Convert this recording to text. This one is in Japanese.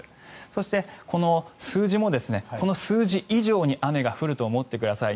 そして、この数字もこの数字以上に雨が降ると思ってください。